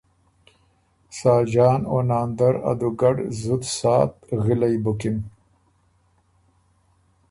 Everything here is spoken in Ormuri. ساجان او ناندر ا دُوګډ زُت ساعت غِلئبُکِن